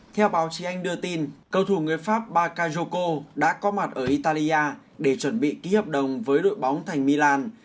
theo báo chí anh đưa tin cầu thủ người pháp bakayoko đã có mặt ở italia để chuẩn bị ký hợp đồng với đội bóng thành milan